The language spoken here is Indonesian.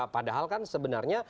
padahal kan sebenarnya